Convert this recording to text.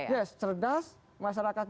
mereka itu saringan yang sesungguhnya kuat